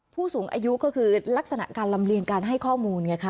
ผู้สูงอายุก็คือลักษณะการลำเลียงการให้ข้อมูลไงคะ